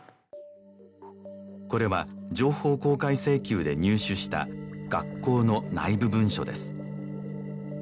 これは情報公開請求で入手した学校の内部文書です